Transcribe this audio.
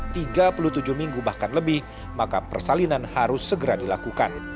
jika kandungannya sudah tiga puluh tujuh minggu bahkan lebih maka persalinan harus segera dilakukan